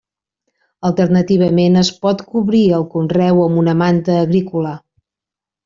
Alternativament es pot cobrir el conreu amb una manta agrícola.